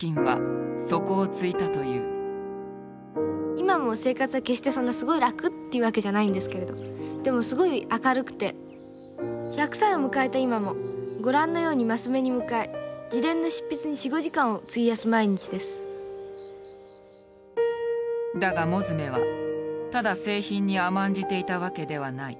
今も生活は決してそんなすごい楽っていうわけじゃないんですけれどでもすごい明るくて１００歳を迎えた今もご覧のように升目に向かい自伝の執筆に４５時間を費やす毎日ですだが物集はただ清貧に甘んじていたわけではない。